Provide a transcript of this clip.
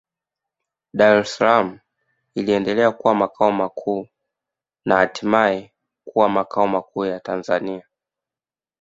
Dar es Salaam iliendelea kuwa makao makuu na hatimaye kuwa makao makuu ya Tanzania